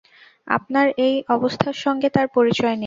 আপনার এই অবস্থার সঙ্গে তাঁর পরিচয় নেই।